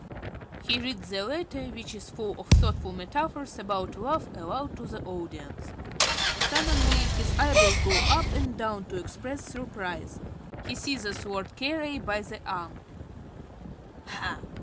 (_He reads the letter, which is full of thoughtful metaphors about love, aloud to the audience. Suddenly his eyebrows go up and down to express surprise. He seizes_ Lord Carey by the arm.) Ha!